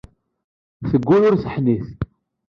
Teggul ur teḥnit.